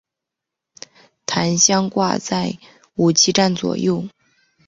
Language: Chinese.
弹箱挂在武器站左侧。